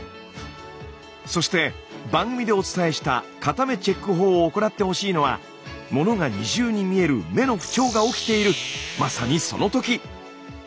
そして番組でお伝えした片目チェック法を行ってほしいのはものが２重に見える目の不調が起きているまさにその時。